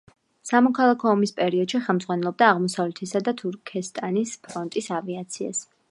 სამოქალაქო ომის პერიოდში ხელმძღვანელობდა აღმოსავლეთისა და თურქესტანის ფრონტის ავიაციას.